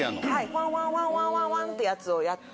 ファンワンワンワンってやつをやって。